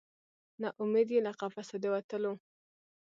نه امید یې له قفسه د وتلو